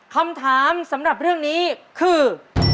คำถามสำหรับเรื่องนี้คือ